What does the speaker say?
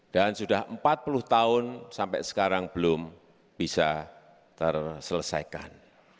dan sudah empat puluh tahun sampai sekarang belum bisa terselesaikan